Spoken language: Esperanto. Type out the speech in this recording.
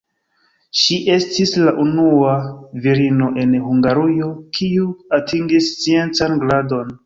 Ŝi estis la unua virino en Hungarujo, kiu atingis sciencan gradon.